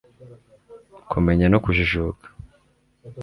kumenya no kujijuka